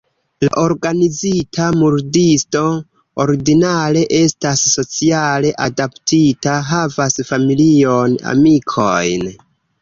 La organizita murdisto ordinare estas sociale adaptita, havas familion, amikojn.